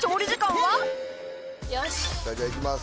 はいじゃあいきます。